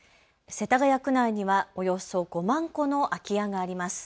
世田谷区内にはおよそ５万戸の空き家があります。